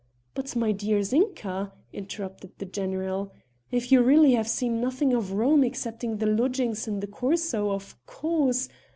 "But my dear Zinka," interrupted the general, "if you really have seen nothing of Rome excepting the lodgings in the Corso, of course...."